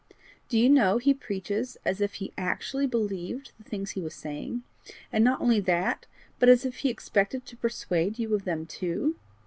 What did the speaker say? Do you know he preaches as if he actually believed the things he was saying, and not only that, but as if he expected to persuade you of them too!